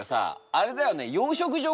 あれだよね